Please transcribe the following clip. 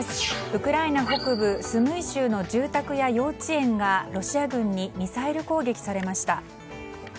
ウクライナ北部スムイ州の住宅や幼稚園がロシア軍にミサイル攻撃されました。